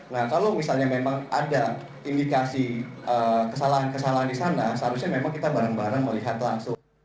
nah kalau misalnya memang ada indikasi kesalahan kesalahan di sana seharusnya memang kita bareng bareng melihat langsung